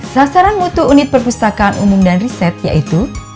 sasaran mutu unit perpustakaan umum dan riset yaitu